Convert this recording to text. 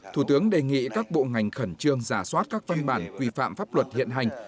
thủ tướng đề nghị các bộ ngành khẩn trương giả soát các văn bản quy phạm pháp luật hiện hành